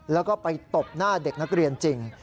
แล้วก็ไปตบหน้าเด็กนักเรียนจริง